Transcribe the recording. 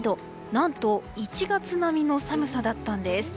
何と１月並みの寒さだったんです。